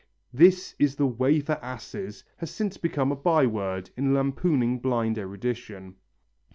This is the way for asses! has since become a byword in lampooning blind erudition.